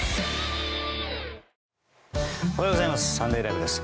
おはようございます。